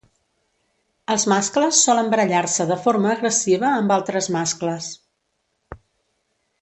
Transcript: Els mascles solen barallar-se de forma agressiva amb altres mascles.